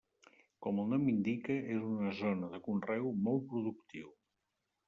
Com el nom indica, és una zona de conreu molt productiu.